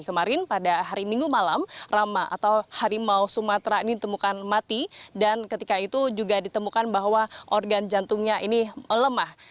kemarin pada hari minggu malam rama atau harimau sumatera ini ditemukan mati dan ketika itu juga ditemukan bahwa organ jantungnya ini melemah